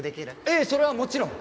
ええそれはもちろん。